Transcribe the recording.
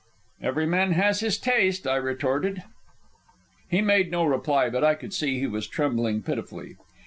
"Every man to his taste," I retorted. He made no reply, but I could see he was trembling pitifully.